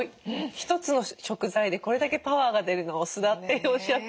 一つの食材でこれだけパワーが出るのはお酢だっておっしゃって。